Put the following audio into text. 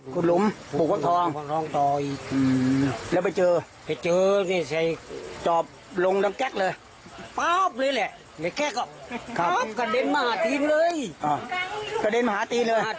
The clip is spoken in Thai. คุณหลุมปลูกคนทอง